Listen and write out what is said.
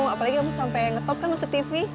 apalagi kamu sampai ngetop kan masuk tv